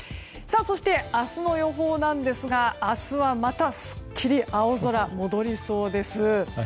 そして、明日の予報ですが明日はまたすっきり青空、戻りそうです。